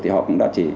thì họ cũng đã